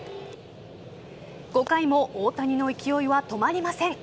５回も大谷の勢いは止まりません。